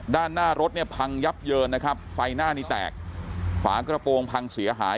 ด้านหน้ารถเนี่ยพังยับเยินนะครับไฟหน้านี้แตกฝากระโปรงพังเสียหาย